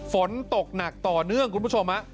ฝนตกหนักต่อเนื่องคุณผู้ชม